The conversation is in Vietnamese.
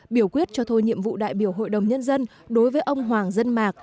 biểu quyết cho thôi nhiệm vụ đại biểu hội đồng nhân dân đối với ông hoàng dân mạc